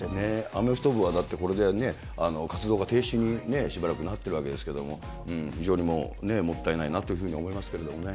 アメフト部はだってこれ、活動が停止に、しばらくなってるわけですけど、非常にもったいないなというふうに思いますけどもね。